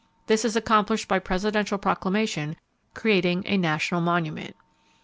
This is accomplished by presidential proclamation creating a "national monument."